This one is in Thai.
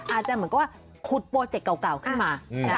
อาจจะเหมือนกับว่าขุดโปรเจกต์เก่าขึ้นมา